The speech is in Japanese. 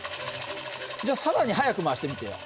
じゃあ更に速く回してみてよ。